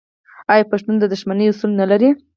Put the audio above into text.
آیا پښتون د دښمنۍ اصول نلري؟